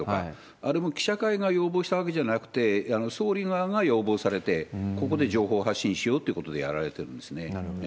あれも記者会が要望したわけじゃなくて、総理側が要望されて、ここで情報発信しようってことでやられてるんですね。